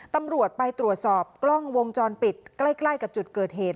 ตำรวจไปตรวจสอบกล้องวงจรปิดใกล้กับจุดเกิดเหตุ